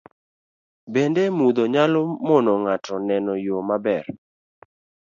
Bende, mudho nyalo mono ng'ato neno yo maber